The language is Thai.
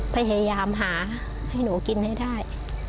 ปัญหายามหาใส่นูกินให้ได้